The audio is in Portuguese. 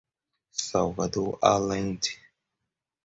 Salvador Allende